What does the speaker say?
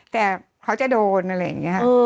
แต่เขาจะโดนอะไรอย่างนี้ค่ะ